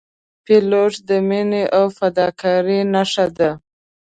پیلوټ د مینې او فداکارۍ نښه ده.